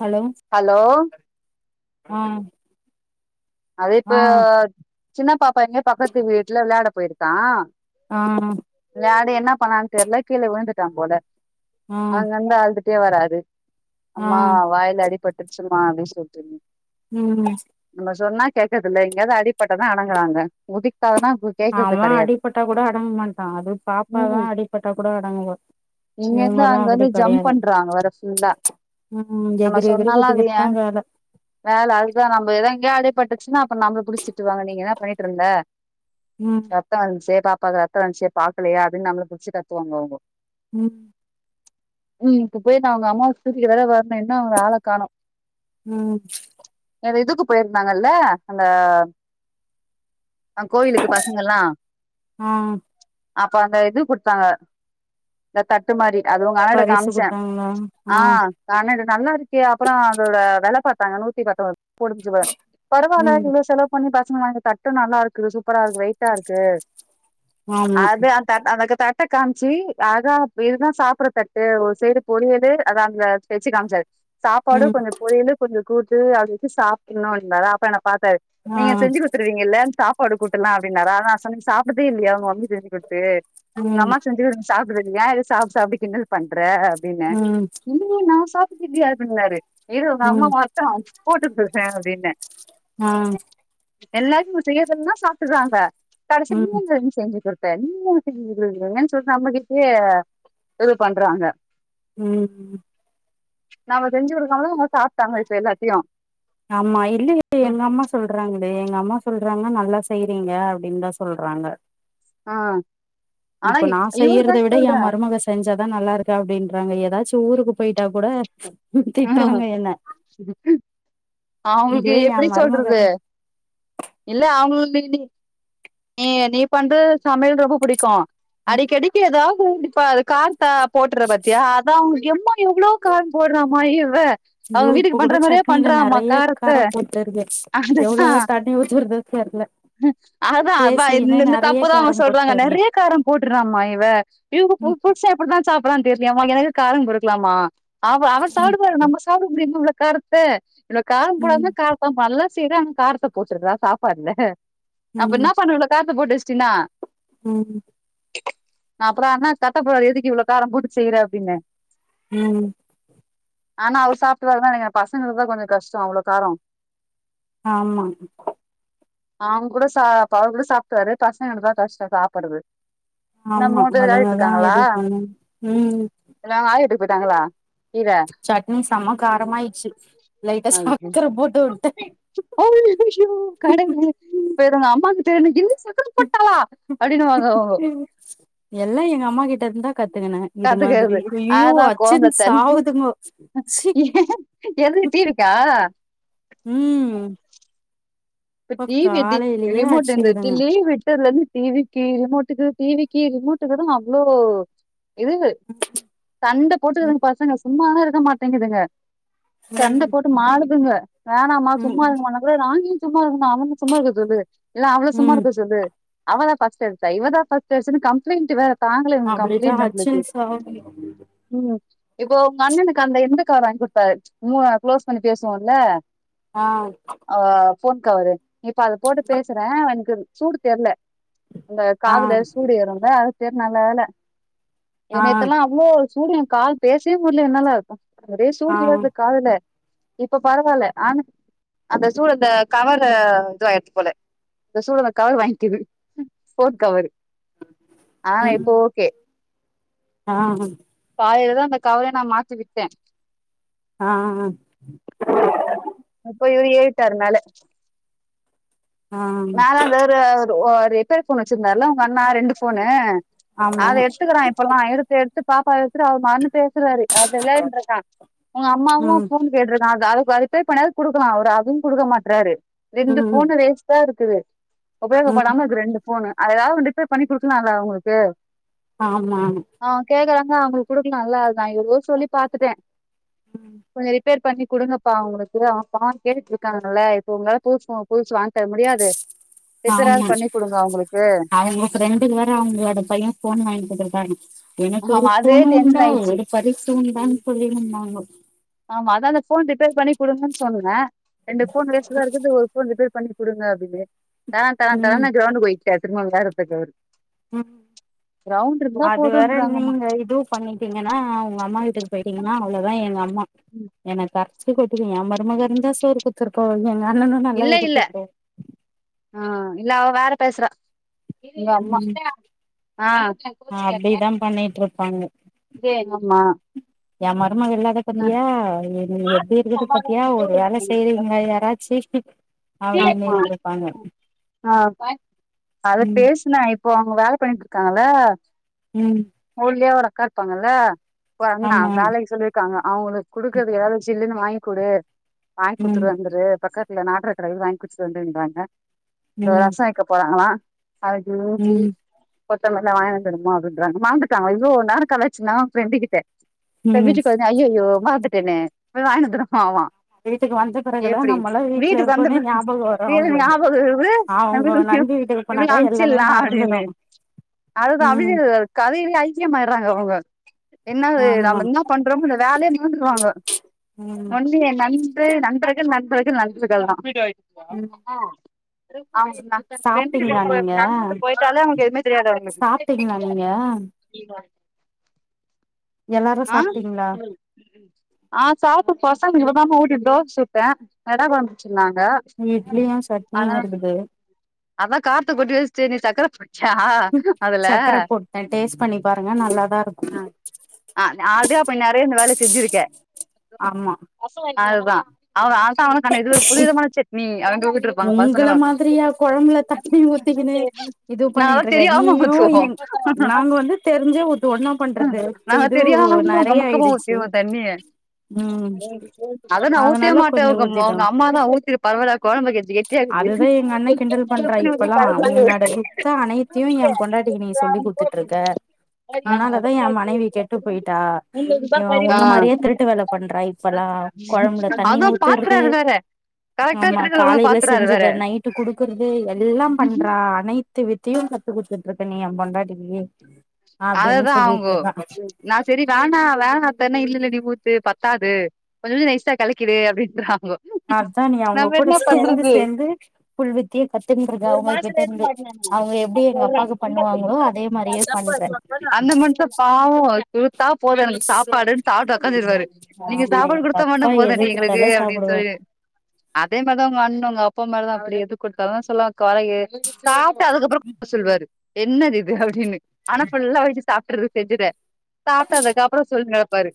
Hello hello அ அது இப்ப சின்ன பாப்பா எங்கயோ பக்கத்து வீட்ல வெளையாட போய்ர்க்கா ஆ வ்ளாடி என்ன பண்ணான் தெர்ல கீழ விழுந்துட்டா போல ஆ அங்க இருந்து ஆழுதுட் டே வராறு ஆ அம்மா வாயில அடிபட்ருச்சுமா அப்டின் சொல்ட்டு வ ம் சொன்னா கேக்கறதில்ல எங்கையாவது அடிப்பட்டாதா அடங்குறாங்க குதிக்காதனா குதி அவ அடிப்பட்டா கூட அடங்க மாட்டா அது பாப்பாதா அடிப்பட்டா கூட அடங்குவா இங்க இருந்து இவங்கல்லா அங்க அப்டி வந்து ஜம்ப் கெடையாது பண்றாங்க வர ஃபுல்லா ம் நம்ம எகுறி எகுறி சொன்னாலு அது குதிக்கர்தா ஏன் வேல வேல அதுக்தா நம்ம எதா எங்கையா அடிப் பட்டுச்சுன்னா அப்ப நம்ள புடிச்சிட்டு திட்டு வாங்க நீங்க என்னா பண்ணிட்ருந்த ம் ரத்த வன்ச்சே பாப்பாக்கு ரத்த வன்ச்சே பாக்கலையா அப்டின் நம்மல புடிச்சு கத்துவாங்க அவுங்கோ ம் ம் இப்ப போய் நா அவங்க அம்மாவ [unintelligible] வர்னு இன்னு அவங்க ஆள காணோ ம் ஏ இதுக்கு போயிருந்தாங்கல்ல அந்த அ கோவிலுக்கு பசங்கல்லா ஆ அப்ப அந்த இது குடுத்தாங்க இந்த தட்டு மாரி அது உங்க அண்ணட பரிசு காம்ச்சே குடுத்தாங்களா ஆ காணது நல்லா இருக்கே அப்றோ அதோட வேல பாத்தாங்க நூத்தி பத்தொன்பது போட்டுந்துச்சி போல ம் பரவால செலவு பண்ணி பசங்க வாங்கி தட்டு நல்லாருக்கு சூப்பராருக்கு வெயிட்டா இருக்கு ஆமா அது அக் தட் அந்தக தட்ட காம்ச்சு அதாப் இதுதா சாப்ட்ற தட்டு ஒரு சைடு பொரியலு அதா அந்த வெச்சு காமிச்சாரு சாப்பாடு ம் கொஞ்ச பொரியலு கொஞ்ச கூட்டு அப்டி வச்சு சாப்ட்ணு ன்டாறா அப்ப என்ன பாத்தாரு ஆ நீங்க செஞ்சி கொத்துருவிங்கல சாப்பாடு கூட்டலா அப்டின்னாரா [unintelligible] நா சொன்ன சாப் பதே இல்லையா உங்க மம்மி செஞ்சு குடுத்து உங்க ம் அம்மா செஞ்சு சாப்டுருக்கியா சாப் சாப்டு கின்டல் பண்ற அப்டின்னே ம் இல்லியே நா சாப்ட்டுட்டிதில்லயே அப்டினாரு இரு உங்க அம்மா ம் வர்ட்டு போட்டு குடுக்கற அப்டின்னே ஆ எல்லாருக்கு இவரு செய்ய சொன்னா சாப்ட்டுறாங்க கடசி நீ ம் எங்க இங்க கேக்கற பேன்மூ [unintelligible] சொல் நம்மகிட்டயே இது பண்றாங்க ம் ம் நாம செஞ்சு குடுக்காம தா அவுங்க சாப்ட்டாங்க இப்ப எல்லாத்தயு அமா இல்லயே எங்க அம்மா சொல்றாங்களே எங்க அம்மா சொல்றாங்க நல்லா செய்றீங்க அப்டின்தா சொல்றாங்க ஆ ஆனா இப்ப நா இவருதா செய்யறத விட என் சொல்றே மருமக செஞ்சாதா நல்லா இருக்கா அப்டின்றாங்க ஏதாச்சு ஊருக்கு போய்ட்டா கூட திட்டுறாங்க என்ன அவுங்களுக்கு இதுவே எ எப்டி மருமக சொல்றது இல்ல அவுங்க நீ நீ நீ நீ பண்ற சமையல் ரொம்ப புடிக்கு அடிக்கடி டி எதாது இப்டி ப கார் த போட்ற பத்தியா அதா அவுங் எம்மா எவ்ளோ கார் போட்றாங்க மா இவ ஐயோ அவங்க இப்ப வீட்டுக்கு கூட பண்ற மாரியே சட்னில பண்றாமா நறைய காரத்த காரப் போட்டு இருக்கு அதுதா எவ்ளோதா தண்ணி ஊத்துறதோ தெர்ல அதா அதா இந் பேசிக்கினே இந்த நெறைய தப்புதா அவுங்க காரம் போட்டு சொல்வாங்க இருக்கே நெறைய காரம் போட்டுறாமா இவ இவ் பு ம் புர்ஷ புடிதா சாப்புட்றான் தெரிலயேமா எனக்கு காரம் கொடுக்கலாமா அவ அவர் சாப்புடும் போது நம்ப சாப்ட முடியுமா இவ்ளோ காரத்த இவ்ளோ காரம் போடாமயே ம் கார் இப்ப மல்லா செய்றாங்க காரத்த போட்டுறா சாப்பாட்ல அப்ப என்ன ம் பண்ணுவ இவ்ளோ காரத்த போட்டுவச்ட்டினா ம் அப்ற என்ன கட்டப்பாற எதிக்கி இவ்ளோ கார போட்டு செய்ற அப்டின்னே ம் ஆனா அவர் சாப்ட்ருவாரு தா நெனக்கிற பசங்களுக்கு தா கொஞ்ச கஷ்டோ அவ்ளோ காரோ ஆமா அவுங் கூட சா ப்ப அவரு கூட சாப்ட்வாரு பசங்களுக்குதா கஷ்ட சாப்பறது ஆமா அதுங்கதா இது பண்ணுங் ம் எல்லா ஆயா வீட்டுக்கு போய்ட்டாங்களா கீழ சட்னி செம காரமாட்ச்சு [unintelligible] அய்யயோ கடவுளே ப்ப இதுங்க அம்மாக்கு தெர்னு என் சக்கர போட்டலா அப்டின்னுவாங்க இவுங்கோ உம் எல்லா எங்க அம்மா கிட்ட இருந்துந்தா கத்துக்கினே இது மாதிரி கத்துக்கறது ஐயோ அதா கோம்பல அச்சுன்னு தண் சாவுதுங்கோ சி எதுக்கு டிவிக்கா ம் இப்ப டி வி தி காலையிலயே ரிமோட்டு இந்த அடிச்சுக்குதுங்க லீவு விட்டதுலேந்து டி வி டி வி ரிமோட்டுகு டிவிக்கு ரிமோட்டுகு த அவ்ளோ இரவு சண்ட போட்டு பசக சும்மா வே இருக்க மாட்டேங்குதுங்க சண்ட போட்டு மாலதுங்க வேணாமா ம் சும்மா இருகமா மா கூட நானி சும்மா இருகமா அவன சும்மா இருக்க சொல்லு எல்லா அவள சும்மா ம் இருக்க சொல்லு அவத ஃபஸ்ட் அடிசா இவாதா ஃபஸ்ட் அடிசானு கம்ளைன்ட் வேற தாகள இவக அப்படிதா கம்ளைண்ட் நம்மளுகு அச்சுன்னு சாவுதுங்க இப்போ உங்க அண்ணனுக்கு அந்த எந்த கார் வாங்கி கொடுத்தரு மூ க்ளோஸ் பண்ணி பேசுவோல ஆ ஆ போன் கவரு இப்ப அத போட்டு பேசுறே எனகு சூடு தெரியல அந்த ஆ காதுல சூடு ஏறு இல்ல அது பேர் நல்ல வேல இ ஆ நெத்தெலா அவ்ளோ சூடு எ காதுல பேசவே முடியல எனலா சூடு ஆ ஏது காதுல இப்ப பரவாயில ஆன அந்த சூழத கவரு இதுயாருசு போல [unintelligible] கவர் வாங்கிகொடு போன் கவரு ஆ இப்ப ஒகே ஆமாக காலேல தா அந்த கவர நா மாதி விட்டே ஆ ஆ ஆ இப்ப இவரு ஏறிடாரு மேல ஆ [unintelligible] ஒரு ப்ளே போன் வச்சிருதார்ல உங்க அண்ணா ரெண்டு போனு ஆமா அத எடுத்துகிறா இப்பலா எடுத்து எடுத்து பாப்பா வச்சடு அவர மறந்து பேசுறாரு அது விளையன்றக்கா உங்க அம்மாவு ம் போன் கேட்ருகா அத அது ரிப்பேர் பண்ண குடுகலா அவ அதயு குடுக மாடறாரு ரெண்டு ம் போனு வேஸ் டா இருகுது ம் உபயோகபடாம இருகு ரெண்டு போனு அத ஏதாவது ரிப்பேர் பண்ணி குடுகலாம்ல அவகளுகு ஆமாகா அவங்க கேகுறாக அவங்களுக்கு குடுகலாம்ல அத நா எவ்ளோ சொல்லி பாத்துட்டே கொஞ்சோ ரிப்பேர் பண்ணி குடுகபா அவகளுகு அவ பான் கேட்டுட்டு இருகாங்கல இப்ப உங்களால புது போன் புதுசு வாங்கி தர முடியாது ரிப்பேராது ஆமா பண்ணி குடுங்க அவங்களுக்கு அவங்க ப்ரெண்டு வேர அவகளோட பைய போன் வாங்கி தந்துருகாக எனக்கு ஒரு ஆமா அதே போன் டென்ஷன் உண்டா ஆயிடுச்சு ஒரு பரிசு உண்டானு சொல்லிந்தாங்க ஆமா அதா அந்த போன் ரிப்பேர் பண்ணி கொடுங்கன்னு சொன்னே ரெண்டு போன் வேஸ்டாதா இருகுது ஒரு போன் ரிப் பண்ணி கொடுங்க அப்டினு தர தர ம் தரனு கிரௌண்டுகு போயிடார் திருமா வெலயறதகு போயிடாரு ம் அது வர போதுன்றாங்கம்மா நீங்க இது பண்ணிடீகன்னா உங்க அம்மா வீட்டுக்கு போயிடீகன்னா அவளோதா எங்க அம்மா ம். என்ன த [unintelligible] மருமக இருதா சோறு குதுருபாகா இல்ல இல்ல ம் இல்ல அவ வேற பேசறா இல்ல அம்மா ம் ஆ [unintelligible] ம் பண்ணீடு பண்ணு இது எங்கம்மா எ மரும இல்லாத பாத்தியா நீங்க எப்படி இருகுது பாத்தியா ஒரு வேல செய்றீகளா யாராசி அப்டினு இருதுருகா ஆ அத பேசுனே இப்ப அவக வேல பண்ணிட்டு இருகாகள ம் ஓலியா ஒரு அக்கா இருகல்ல ஓரு அண்ணா ஆமா வேலயிகு சொல்லி அக்கா இருகா அவகளுகு குடுகறது ஏதாவது சில்லுனு வாங்கி கொடு வாங்கி ம் குடுதுட்டு வந்துரு பக்கத் இல்ல நாட் ரஸ்த்த கடைல் வாங் குட்ச்சிட்டு வந்துர்ந்தானுங்க எதோ ம் ரசோ வெய்க்க போறாங்களா [unintelligible] பூஜை ம் கொத்தமல் நா வாய்ங்ன் வந் தெரிமா அப்டின்றானுங் மறந்துட்டாங்கோ இவ்ளோ நேரோ கலாய்ச்சினா ஃப்ரெண்டு கிட்ட இப்போ ம் வீட்டுக் ஐயயோ மறந்துட்டனே போய் வாய்னு வந்தட்றம்மாவா வீட்டுக்கு வந்த பிறகுதா எப்பிடி நம்மளா வீட்ல வீட்டுக் வந்த இருக்கோனே ஞாபகோ வரு வீலு அவங்களுக்கு ஞாபகோ இருகுது ரொம்ப அவங்க முக்கியோ நண்பி வீட்டுக்கு இவுனுங்கள போனாக்கா எல்லாமே அம்ச்சர்லா மறந்துடு அப்டினு அதுதா ம் அப்டே கதயிலே ஐக்கியமாட்றாங்க அவுங்க என்னது ஆமா நாமென்ன பண் றமோ அந்த வேலையே மறந்துருவாங்க ம் ஒன்லி நண் பரே நண்பர்கள் நண்பர்கள் நண்பர்கள் ம் தா அவுங் நம்ம எட்த்துலர்ந்து சாப்ட்டீங்களா நீங்க [inaudible] நண்பர்கள் போய்ட்டாலே அவுங்ளுக் எதுமே தெரியாது அவுங்ளுக்கு சாப்ட்டீங்களா நீங்க நீ வாய்ங் எல்லாரு ஆ சாப்ட்டீங்களா ஆ சாப்ட்டு பசங்ளுக் இப்ப தாமா ஊட்டிவுட் தோஸ் சுட்டே கடா கொழம்பு புட்ச்சின்னாங்க இங்க இட்லியு சட்னியு இருக்குது அதா கார்த்த கொட்டி வெஸ்ட்டியே நீ சக்கர போட்ச்சா அதுல அத டேஸ்ட் பண்ணி பாருங்க நல்லாாதா இருக்கு ஆ ஆல்ரெடி அப்ப நெறய இந்த வேல செஞ்சிருக்க ஆமா அதுதா அவ அத தா அவனு சொன்னா இது ஒரு புது விதமான சட்னி அப்டின் உங்கள மாதிரியா கொழம்புல தண்ணி ஊத்திக்கனு இது நாங்கல்லா பண்ணீட்ருக்க தெரியாம நீயு ஊத்துவோ எங் நாங்க வந்து தெரிஞ்சே ஊத்துவோனா நாங்க தெரியாம உன்னு கமுக்கமா ஆயிடுச்சு ஊத்தீர்வோ தண்ணிய ம் அத நா ஊத்வே அதனால மாட்டே கொஞ்சோ உங்கொம்மோ ஊத்திட்டோ உங்க அம்மா தா ஊத்திட்டு பரவால்ல கொழம்பு கொஞ் கெட் அதுதா எங்க அண்ண கிண்டல் பண்றா இப்பெல்லா உன் உன்னோட வித்த அனைத்தியு ஏ பொண்டாட்டிக்கு நீங்க சொல்லி குட்த்து ட்ருக்க ஆ உன்னாலதா என் மனைவி கெட்டு போய்ட்டா எ உன்ன மாரியே திருட்டு வேல பண்றா இப்பெல்லா அது பாக்கறாரு வேற கரெக்ட்டா ஆமா திருகுல உள்ளத காலைல பாத் செஞ்சத நைட்டு குடுக்கற்து எல்லா பண்றா அ அனைத்து வித்தையு கத்து குட்த்துட்ருக்க நீ எம்பொண்டாட்டிக்கு அப்டின் அததா அவுங்கோ சொல்லிட்ருந்தா நா செரி வேணா வேணாத்தன்னா இல்லல்ல நீ ஊத்து பத்தாது கொஞ்ச கொஞ்ச நைசா கலக்கிடு அப்டின்றாங்கோ அதா நீ அவுங்க நம்ம கூட என்ன சேந்து பண்றது சேந்து ஃபுல் வித்தய கத்துன்ருக்க அவுங்ககிட்டர்ந்து அவுங்க எப்டி எங்க அப்பாக்கு பண்ணுவாங்களோ அதே மாரியே பண்ற அந்த மன்ஷ பாவோ குடுத்தா போது எனக்கு சாப்பாடுன் சாப்ட்டு ஒக்காந்துருவாரு நீங்க ஆமா சாப்பாடு எங்க குடுத்தா மட்டு அப்பா எது போதுண்டி எங்களுக்கு குடுத்தாலு அப்டின் சாப்டுவாரு சொல்லி அதே மாரி தா உங்க அண்ணு உங்க அப்பா மார தா அப்டி எது குட்த்தாலு சொல்லாத் கொறையே சாப்ட்டு அதுக்கப்பறோ கொற சொல்வாரு என்னதிது அப்டினு ஃபுல்லா வெச்சு சாப்ட்றதுக் செஞ்சிட்றே சாப்ட்டதுக்கப்பறோ சொல் கேப்பாரு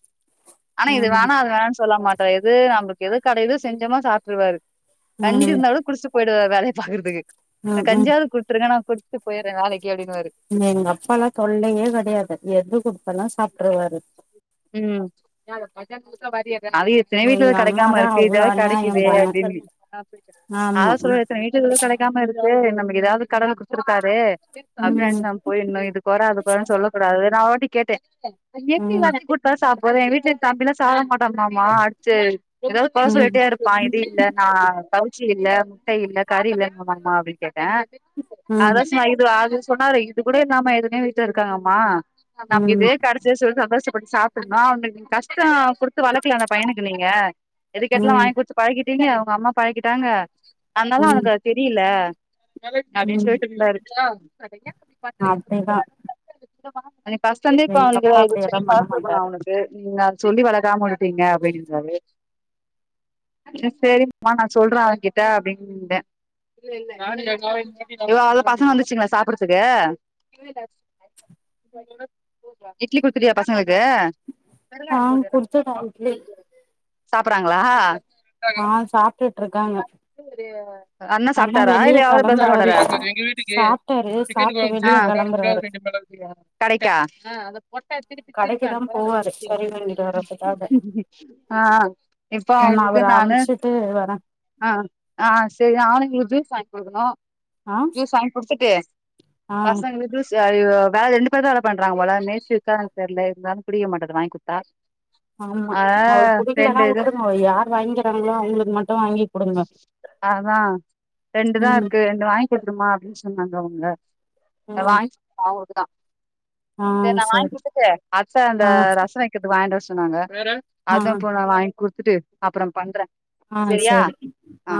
ஆனா இது ம் வேணா அது வேணான் சொல்ல மாட்டார் எது நம்பளுக் எது கடையிது செஞ்சமோ சாப்ட்ருவாரு கஞ்சி ம் இர்ந்தாலு குடிஸ்ட்டு போய்டுவாரு வேலைய பாக்கறதுக்கு ம் ம் கஞ்சியாவ்து குட்த்துருங்க நா குடி ஸ்ட்டு போயறே வேலைக்கு அப்டின்னுவாரு ம் எங்க அப்பால்லா தொல்லையே கெடயாது எது குடுத்தாலு சாப்ட்டுவாரு ம் அவிய செல வீட்ல எங்க இது கெடைக்காம அம்மாதா இருக்கே அவ்ளோ இதாவ்து அநியாயம் கெடைக்குதே பண்ணு அப்டின்னு ஆமா அதா சொல்லுவார் எத்தன வீட்ல இதெல்லா கெடைக்காம இருக் இது நமக்கு எதாவது கடவுள் குடுத்துருக்காரு அப்டி ம் நெனச்சட்டு நம்ம போயிட்ணு இது கொற அது கொறன்னு சொல்ல கூடாது நா ஒரு வாட்டி கேட்டே எப்டி ம் எல்லா நீ குடுத்தோனே சாப்புட்ற எங்க வீட்ல என் தம்பிலா சாப்ட மாட்டா மாமா அடிச்சு எதாவது கொற ம் சொல்லிட்டே இருப்பா இது இல்ல நா கவுச்சி இல்ல முட்டை இல்ல கறி இல்ல நம்ம வாங்குமா அப்டின்னு கேட் டே ம் அதா சும்மா இது அது சொன்னாரு இது கூட இல்லாம எத்தனையோ வீட்டுல இருக்காங்கம்மா நம் ம் இதே கெடைச்சுச்சுன்னு சொல்லி சந்தோஷப்பட்டு சாப்புட்ணு அவனுங்க கஷ்டோ குடுக் த்து வளர்க்கல அந்த பையனுக்கு நீங்க எதுக்கேட்டாலு ம் வாங்கி குடுத்து பழகிட்டீங்க அவுங்க அம்மா பழக்கிட்டாங்க அதுனால ம் அவனுக்கு அது தெரியில அப்டின்னு ம் சொல்ட்டு இருந்தாரு அப்டிதா பஸ்ட்லருந்தே இப்ப எங்க அவனுக்கு அப்பா இது செரி அப்டியெல்லா பண்ண பார் மாட்டாரு அது நா சொல்லி வளர்க்காம வுட்டுட்டீங்க அப்டின்னுவாரு செரிப்பா நா சொல்றே அவ கிட்ட அப்டின்ட்டே இவ அதா பசங்க வந்துருச்சுங்களா சாப்புட்றதுக்கு இட்லி குடுத்துட்டியா பசங்களுக்கு ஆ குடுத்துட்டோ இட்லி சாப்புறாங்களா ஆ சாப்ட்டுட்ருக்காங்க அண்ணே அண்ண சாப்ட்டாரா வெளிய இல்ல அவரு பேச கெளம்புறாரு மாட்டாரா சாப்ட்டாரு சாப்ட்டு ஆ வெளிய கெளம்புறாரு கரைக்டா கடைக்கு தா போவாரு கறி வாங்கிட்டு வர்றதுக்காக ஆ ஆ இப்போ நா அவுங்களுக்கு அவர நானு அம்ச்சுட்டு வரே ஆ ஆ ஆ செரி அவனுங்களுக்கு ஜூஸ் வாங்கி குடுக்கணு ஆ ஜூஸ் வாங்கி குடுத்துட்டு ஆ பசங்களுக்கு ஜூஸ் வேல ரெண்டு பேர் தா வேல பண்றாங்க போல மேஸ்திரி இருக்காரானு தெர்ல இருந்தாலு குடிக்க மாட்டது வாங்கி குடுத்தா ஆமா ஆ அவர் குடிக்கலேனா ரெண்டு இது வுட்ருங்கோ அவ யார் வாங்கிறாங்களோ அவுங்களுக்கு மட்டு வாங்கி குடுங்க அதா ரெண்டுதா ம் இருக்கு ரெண்டு வாங்கிக் குடுக்கட்டுமா அப்டின்னு சொன்னாங்க அவுங்க அத ம் வாங்கிச்சு அவுங்களுக்கு தா ஆ செர் நா வாங்கி சரி குடுத்துட்டு அச்ச அந்த ஆ ரசோ வக்கிறதுக்கு வாங்கிட்டு வர சொன்னாங்க ஆ அதா இப்போ நா வாங்கி குடுத்துட்டு அப்பறம் பண்றே ஆ சரியா செரிங்க ஆ